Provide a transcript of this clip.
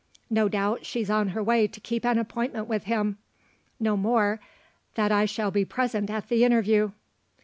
No doubt she's on her way to keep an appointment with him? No more, that I shall be present at the interview.